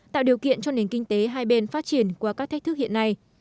tạo điều kiện cho nền kinh tế hai bên phát triển qua các thách thức hiện nay